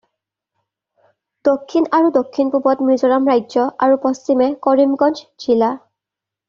দক্ষিণ আৰু দক্ষিণ-পূবত মিজোৰাম ৰাজ্য আৰু পশ্চিমে কৰিমগঞ্জ জিলা।